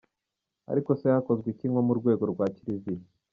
Ariko se hakozwe iki nko mu rwego rwa Kiliziya ?